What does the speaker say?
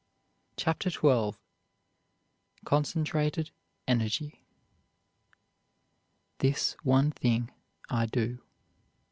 CHAPTER XII CONCENTRATED ENERGY This one thing I do.